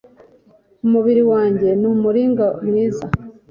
umubiri wanjye ni umuringa mwiza